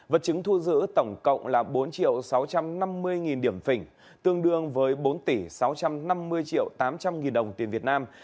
vật chứng thu giữ tổng cộng là bốn sáu trăm năm mươi nghìn điểm phỉnh tương đương với bốn tỷ sáu trăm năm mươi triệu tám trăm linh nghìn đồng tiền việt nam